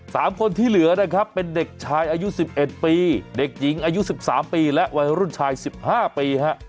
สามคนที่เหลือนะครับเป็นเด็กชายอายุสิบเอ็ดปีเด็กหญิงอายุสิบสามปีและวัยรุ่นชายสิบห้าปีฮะ